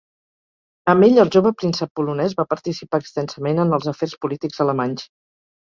Amb ell el jove príncep polonès va participar extensament en els afers polítics alemanys.